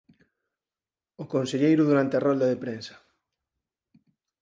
O conselleiro durante a rolda de prensa